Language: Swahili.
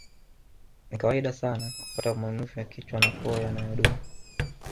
Ni kawaida sana kupata maumivu ya kichwa na koo yanayodumu